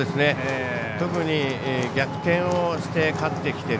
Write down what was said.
特に逆転をして勝ってきている。